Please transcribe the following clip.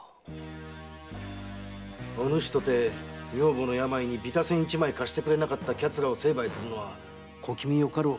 お主とて女房の病にビタ銭一枚貸さなかった奴らを成敗するのは小気味よかろう。